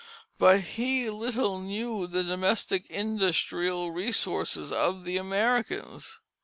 But he little knew the domestic industrial resources of the Americans.